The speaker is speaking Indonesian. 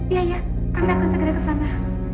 iya ya kami akan segera ke sana